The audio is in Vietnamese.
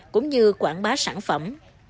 cũng như quảng bá sản phẩm